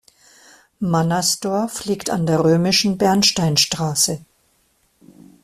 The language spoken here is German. Mannersdorf liegt an der römischen Bernsteinstraße.